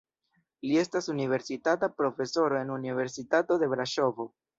Li estas universitata profesoro en Universitato de Braŝovo.